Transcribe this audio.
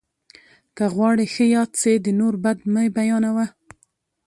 که غواړې ښه یاد سې، د نور بد مه بيانوه!